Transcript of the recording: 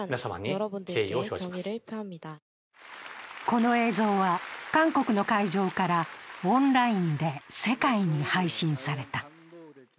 この映像は、韓国の会場からオンラインで世界に配信された。